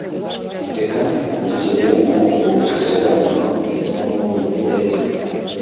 reka tugereranye ibisobanuro numwimerere.